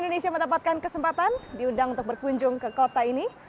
indonesia mendapatkan kesempatan diundang untuk berkunjung ke kota ini